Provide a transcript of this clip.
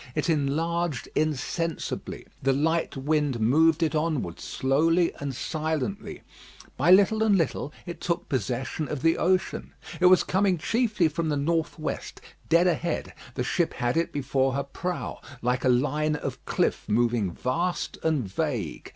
It enlarged insensibly. The light wind moved it onward slowly and silently. By little and little it took possession of the ocean. It was coming chiefly from the north west, dead ahead: the ship had it before her prow, like a line of cliff moving vast and vague.